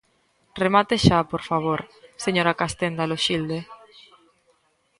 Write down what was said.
Remate xa, por favor, señora Castenda Loxilde.